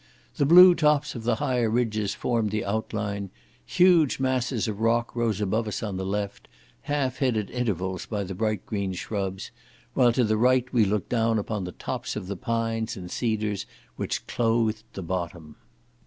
The blue tops of the higher ridges formed the outline; huge masses of rock rose above us on the left, half hid at intervals by the bright green shrubs, while to the right we looked down upon the tops of the pines and cedars which clothed the bottom.